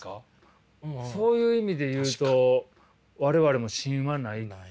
そういう意味で言うと我々も芯はない。